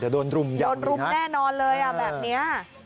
โดนรุมแน่นอนเลยแบบเนี้ย